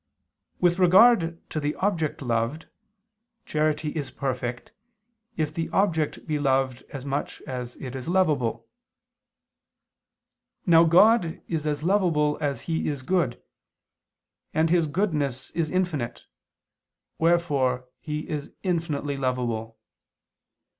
With regard to the object loved, charity is perfect, if the object be loved as much as it is lovable. Now God is as lovable as He is good, and His goodness is infinite, wherefore He is infinitely lovable.